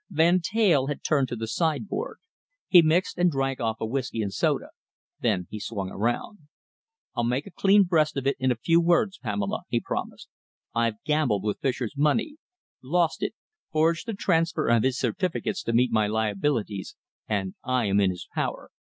Van Teyl had turned to the sideboard. He mixed and drank off a whisky and soda. Then he swung around. "I'll make a clean breast of it in a few words, Pamela," he promised. "I've gambled with Fischer's money, lost it, forged a transfer of his certificates to meet my liabilities, and I am in his power.